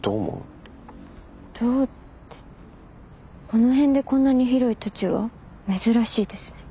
この辺でこんなに広い土地は珍しいですね。